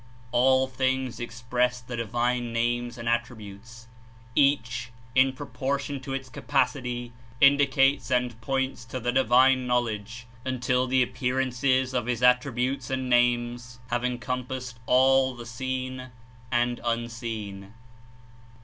*^All things express the Divine Names and Attri butes. Each, in proportion to its capacity, indicates and points to the Divine Knowledge, until the appear ances of (His) Attributes and Names have encom passed all the seen and unseen."